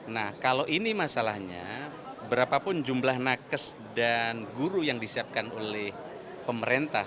nah kalau ini masalahnya berapapun jumlah nakes dan guru yang disiapkan oleh pemerintah